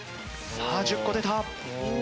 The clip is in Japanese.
さあ１０個出た！